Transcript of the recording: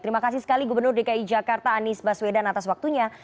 terima kasih sekali gubernur dki jakarta anies baswedan atas waktunya